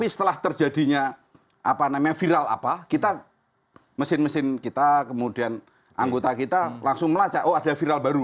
setelah terjadinya viral apa kita mesin mesin kita kemudian anggota kita langsung melacak oh ada viral baru